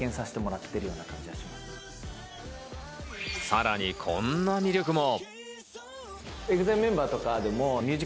さらにこんな魅力も。